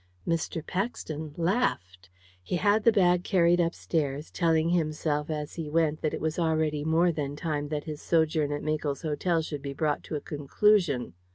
Mr. Paxton laughed. He had the bag carried upstairs, telling himself as he went that it was already more than time that his sojourn at Makell's Hotel should be brought to a conclusion.